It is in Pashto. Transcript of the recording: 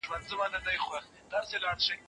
د بل بشپړوونکي وو. د ښاري ژوند له پراختیا سره،